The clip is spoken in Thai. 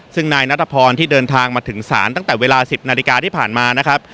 ซึ่งนายนัทพรที่เดินทางมาถึงศาลตั้งแต่เวลา๑๐นาฬิกาที่ผ่านมานะครับ